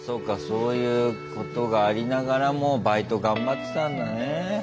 そういうことがありながらもバイト頑張ってたんだね。